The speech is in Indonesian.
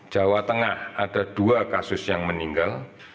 jawa tengah ada dua kasus yang meninggal